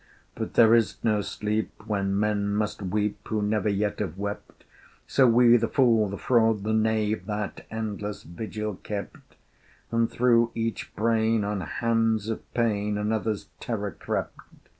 But there is no sleep when men must weep Who never yet have wept: So we the fool, the fraud, the knave That endless vigil kept, And through each brain on hands of pain Another's terror crept.